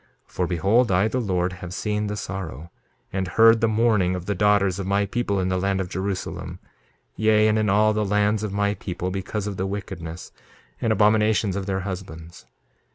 2:31 For behold, I, the Lord, have seen the sorrow, and heard the mourning of the daughters of my people in the land of Jerusalem, yea, and in all the lands of my people, because of the wickedness and abominations of their husbands.